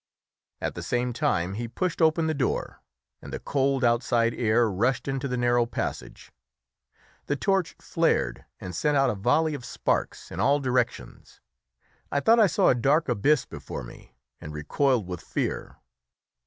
At the same time he pushed open the door, and the cold outside air rushed into the narrow passage. The torch flared and sent out a volley of sparks in all directions. I thought I saw a dark abyss before me, and recoiled with fear.